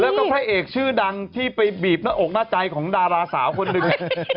แล้วก็พระเอกชื่อดังที่ไปบีบหน้าอกหน้าใจของดาราสาวคนหนึ่ง